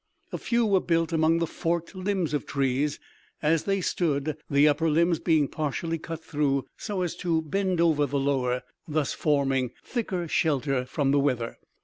A few were built among the forked limbs of trees as they stood, the upper limbs being partially cut through, so as to bend over upon the lower, thus forming thicker shelter from the weather.